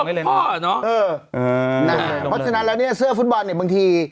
เพราะฉะนั้นแล้วเนี่ยเสื้อฟุตบอลเนี่ยบางที